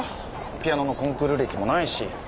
ピアノのコンクール歴もないし。